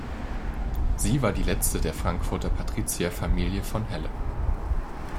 Sie war die Letzte der Frankfurter Patrizierfamilie von Helle.